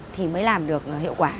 thì mới làm được hiệu quả